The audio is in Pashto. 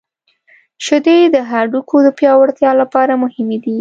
• شیدې د هډوکو د پیاوړتیا لپاره مهمې دي.